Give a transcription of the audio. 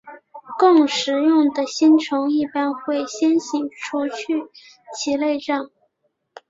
供食用的星虫一般会先行除去其内脏。